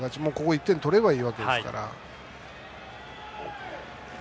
１点取ればいいわけですから。